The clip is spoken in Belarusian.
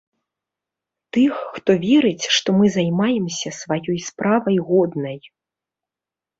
Тых, хто верыць, што мы займаемся сваёй справай годнай.